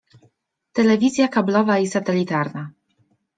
Telewizja kablowa i satelitarna.